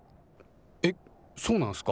えっそうなんすか？